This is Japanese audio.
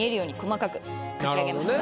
描き上げました。